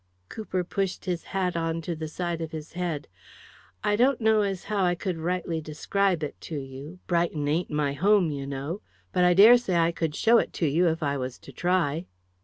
Cooper pushed his hat on to the side of his head. "I don't know as how I could rightly describe it to you Brighton ain't my home, you know. But I daresay I could show it to you if I was to try."